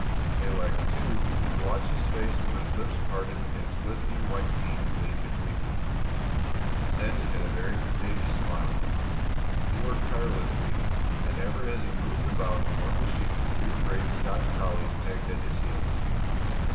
They liked, too, to watch his face when his lips parted and his glistening white teeth gleamed between them. Sandy had a very contagious smile. He worked tirelessly, and ever as he moved about among the sheep two great Scotch collies tagged at his heels.